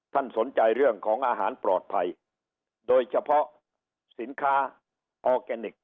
สนใจเรื่องของอาหารปลอดภัยโดยเฉพาะสินค้าออร์แกนิค